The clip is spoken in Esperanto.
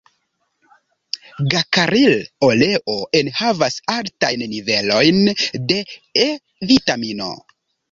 Gakaril-oleo enhavas altajn nivelojn de E-vitamino.